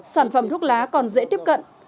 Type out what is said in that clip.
sản phẩm thuốc lá còn dễ tiếp cận